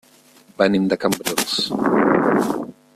Venim de Cambrils.